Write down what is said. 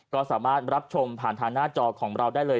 ก็สามารถรับชมผ่านทางหน้าจอของเราได้เลย